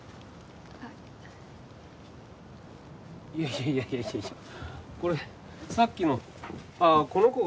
あっいやいやいやいやいやこれさっきのああこの子がさ